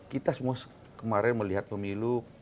kita semua kemarin melihat pemilu